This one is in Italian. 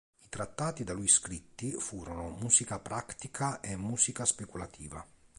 I trattati da lui scritti furono "Musica practica" e "Musica speculativa".